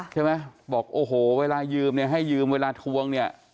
ใช่ไหมบอกโอ้โหเวลายืมเนี่ยให้ยืมเวลาทวงเนี่ย